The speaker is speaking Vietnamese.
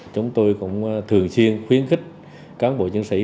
chúng tôi cũng thường xuyên khuyến khích cán bộ chiến sĩ